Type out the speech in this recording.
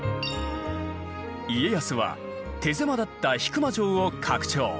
家康は手狭だった引間城を拡張。